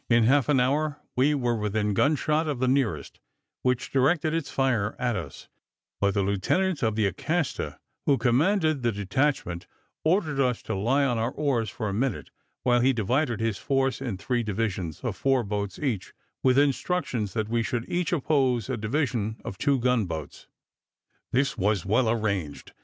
In half an hour we were within gun shot of the nearest, which directed its fire at us; but the lieutenant of the Acasta, who commanded the detachment, ordered us to lie on our oars for a minute, while he divided his force in three divisions, of four boats each, with instructions that we should each oppose a division of two gun boats. This was well arranged.